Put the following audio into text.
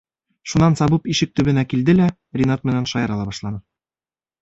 Шунан сабып ишек төбөнә килде лә Ринат менән шаяра ла башланы.